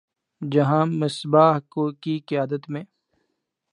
جہاں مصباح کی قیادت میں